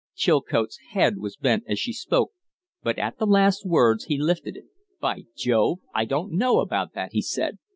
Chilcote's head was bent as she spoke, but at the last words he lifted it. "By Jove! I don't know about that!" he said.